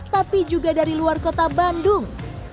tapi juga dari luar kota bandung